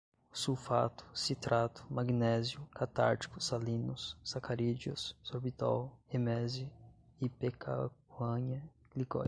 sulfato, citrato, magnésio, catárticos salinos, sacarídeos, sorbitol, emese, ipecacuanha, glicóis